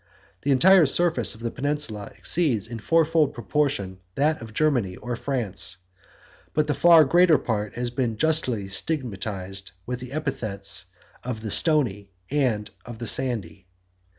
The entire surface of the peninsula exceeds in a fourfold proportion that of Germany or France; but the far greater part has been justly stigmatized with the epithets of the stony and the sandy.